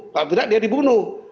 kalau tidak dia dibunuh